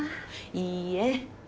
いいえ。